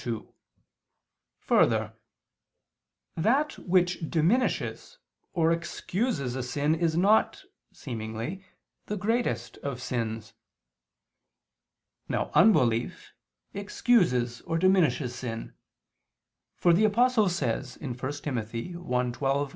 2: Further, that which diminishes or excuses a sin is not, seemingly, the greatest of sins. Now unbelief excuses or diminishes sin: for the Apostle says (1 Tim. 1:12, 13): "I .